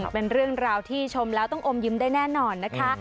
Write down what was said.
เป็นเรื่องราวที่ชมแล้วต้องอมยิ้มได้แน่นอนนะคะ